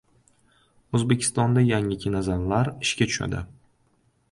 O‘zbekistonda yangi kinozallar ishga tushadi